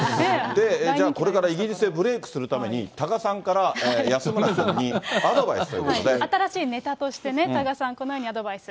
じゃあ、これからイギリスでブレークするために、多賀さんから安新しいネタとしてね、多賀さん、このようにアドバイス。